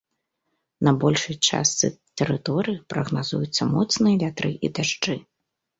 На большай частцы тэрыторыі прагназуюцца моцныя вятры і дажджы.